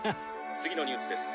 「次のニュースです」